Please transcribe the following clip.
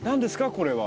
これは。